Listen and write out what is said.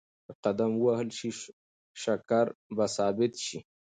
که قدم ووهل شي شکر به ثابت شي.